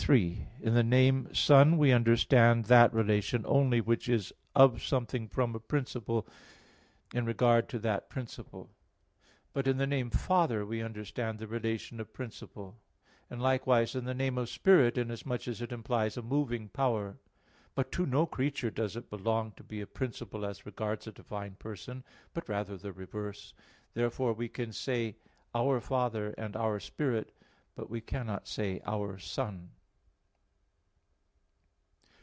3: In the name Son we understand that relation only which is of something from a principle, in regard to that principle: but in the name "Father" we understand the relation of principle; and likewise in the name of Spirit inasmuch as it implies a moving power. But to no creature does it belong to be a principle as regards a divine person; but rather the reverse. Therefore we can say "our Father," and "our Spirit"; but we cannot say "our Son."